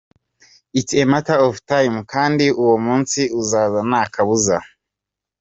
It is a matter of time kandi uwo munsi uzaza nta kabuza.